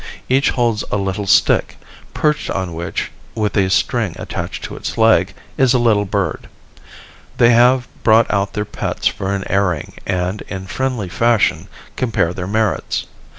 Each holds a little stick, perched on which, with a string attached to its leg, is a little bird. They have brought out their pets for an airing and in. friendly fashion compare their merits.